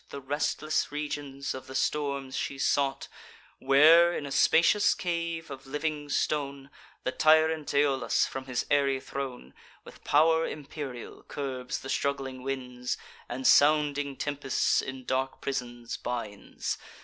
The restless regions of the storms she sought, Where, in a spacious cave of living stone, The tyrant Aeolus, from his airy throne, With pow'r imperial curbs the struggling winds, And sounding tempests in dark prisons binds.